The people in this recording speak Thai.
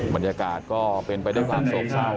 บรรยากาศก็เป็นไปด้วยความโศกเศร้า